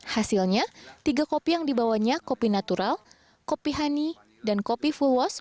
hasilnya tiga kopi yang dibawanya kopi natural kopi honey dan kopi full wash